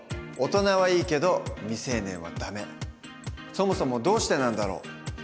そもそもどうしてなんだろう？